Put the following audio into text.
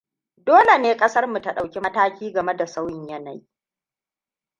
Dole ne kasar mu ta ɗauki mataki game da sauyin yanayi.